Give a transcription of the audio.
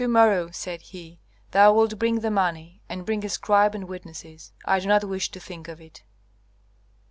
"To morrow," said he, "thou wilt bring the money, and bring a scribe and witnesses. I do not wish to think of it."